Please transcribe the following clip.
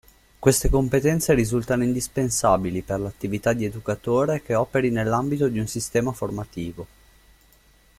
Queste competenze risultano indispensabili per l'attività di educatore che operi nell'ambito di un sistema formativo.